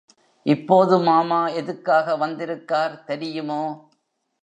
இப்போது மாமா எதுக்காக வந்திருக்கார் தெரியுமோ!